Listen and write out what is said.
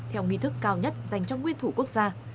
theo nghi thức cao nhất dành cho nguyên thủ quốc gia